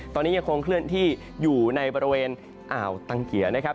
ตอนนี้ยังคงเคลื่อนที่อยู่ในบริเวณอ่าวตังเกียร์นะครับ